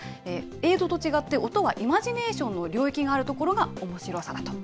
映像と違って音はイマジネーションの領域があることがおもしろさだと。